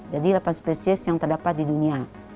jadi delapan spesies yang terdapat di dunia